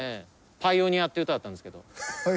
『パイオニア』って歌だったんですけど。